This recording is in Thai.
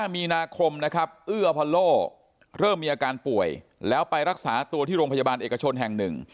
มีนาคมนะครับเอื้ออพอโลเริ่มมีอาการป่วยแล้วไปรักษาตัวที่โรงพยาบาลเอกชนแห่งหนึ่ง